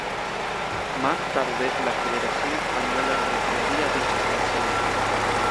Más tarde la federación española, retiraría dicha sanción.